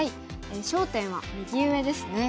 焦点は右上ですね。